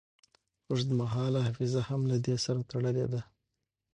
اوږدمهاله حافظه هم له دې سره تړلې ده.